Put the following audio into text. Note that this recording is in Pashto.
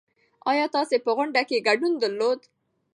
ايا تاسې په غونډه کې ګډون درلود؟